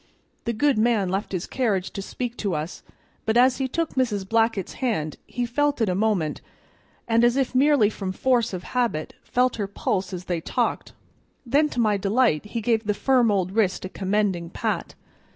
The good man left his carriage to speak to us, but as he took Mrs. Blackett's hand he held it a moment, and, as if merely from force of habit, felt her pulse as they talked; then to my delight he gave the firm old wrist a commending pat.